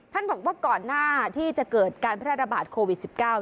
ท่านบอกว่าก่อนหน้าที่จะเกิดการแพร่ระบาดโควิด๑๙